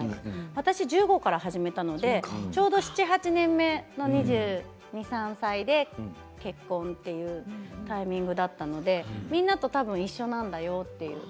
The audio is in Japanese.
私は１５から始めたのでちょうど７、８年目の２２歳、２３歳で結婚というタイミングだったのでみんなと一緒なんだよ